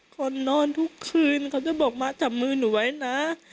คนนอนทุกคืนเขาจะบอกมาจับมือหนูไว้นะ